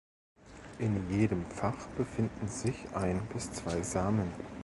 In jedem Fach befinden sich ein bis zwei Samen.